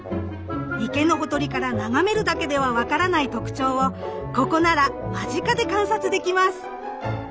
池のほとりから眺めるだけでは分からない特徴をここなら間近で観察できます！